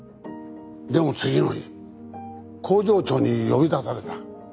でも次の日工場長に呼び出された。